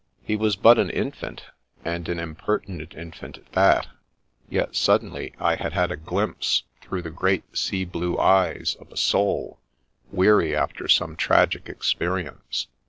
He was but an infant, and an impertinent in fant at that; yet suddenly I had had a glimpse, through the great sea blue eyes, of a soul, weary after some tragic experience.